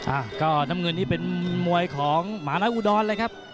อ่ะก็น้ำเงินนี่เป็นมวยของหมาน้อยอุดรเลยครับ